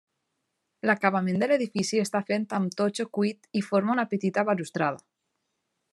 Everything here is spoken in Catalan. L'acabament de l'edifici està fet amb totxo cuit i forma una petita balustrada.